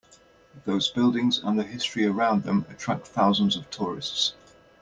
Those buildings and the history around them attract thousands of tourists.